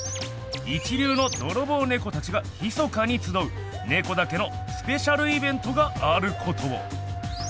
一流のドロボウネコたちがひそかにつどうネコだけのスペシャルイベントがあることを！